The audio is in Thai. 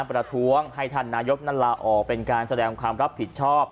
ประท้วงให้ท่านนายกนั้นลาออกเป็นการแสดงความรับผิดชอบ